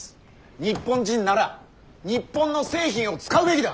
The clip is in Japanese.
日本人なら日本の製品を使うべきだ。